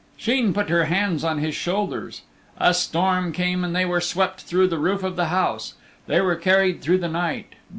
Sheen put her hands on his shoulders. A storm came and they were swept through the roof of the house. They were carried through the night.